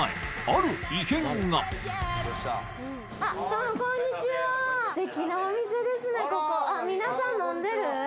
あっ皆さん飲んでる？